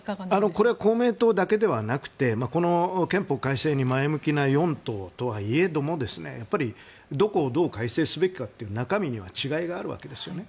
これは公明党だけではなくて憲法改正に前向きな４党とは言えどもやっぱり、どこをどう改正すべきかという中身には違いがあるわけですよね。